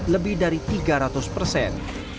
lebih dari tiga ratus persen